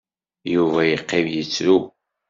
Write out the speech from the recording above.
Yuba iqqim ittru.